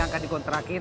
enggak di kontrakin